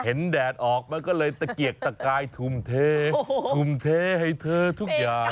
แดดออกมันก็เลยตะเกียกตะกายทุ่มเททุ่มเทให้เธอทุกอย่าง